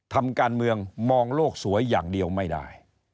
ทำการเมืองมองโลกสวยอย่างเดียวไม่ได้